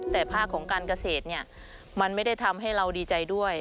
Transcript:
แต่ภาคของการเกษตรเนี่ยมันไม่ได้ทำให้เราดีใจด้วย